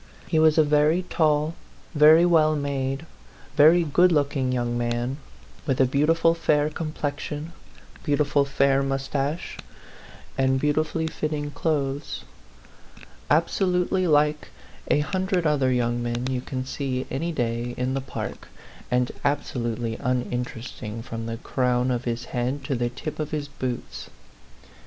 He was a very tall, very well made, very good looking young man, with a beautiful fair complexion, beautiful fair moustache, and beautifully fitting clothes; absolutely like a hundred other young men you can see any day in the park, and absolutely uninterest ing from the crown of his head to the tip of his boots.